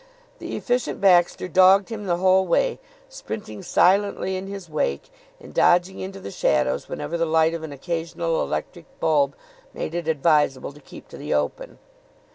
The Efficient Baxter dogged him the whole way, sprinting silently in his wake and dodging into the shadows whenever the light of an occasional electric bulb made it inadvisable to keep to the open.